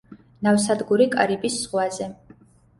ნავსადგური კარიბის ზღვაზე.